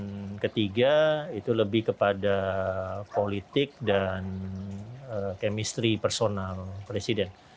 dan ketiga itu lebih kepada politik dan kemistri personal presiden